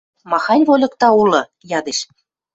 – Махань вольыкда улы? – ядеш.